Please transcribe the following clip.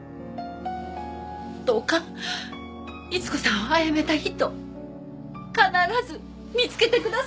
どうか伊津子さんを殺めた人必ず見つけてください。